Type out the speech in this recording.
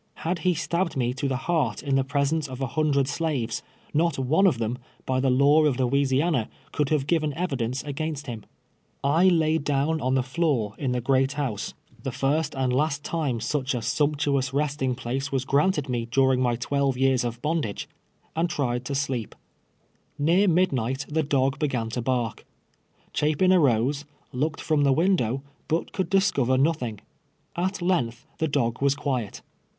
Had he stabbed me to the heart in the presence of a hundred slaves, not one of them, by the laws of Louisiana, could have given evidence against him. I laid down on the floor in the " great 12 4 twt:lve tears a slate. house" — tlie llrst aiul tlio last time sucli a sumptu ous restiiii;' place Avas <;Taiite(l ine tluriii{^ my twelve years of hnudai^e — and tried to sk'op. Near midnight the dog began to bark. Cliai)in amse, looked from the window, but could discover nothing. At length the dog was quiet.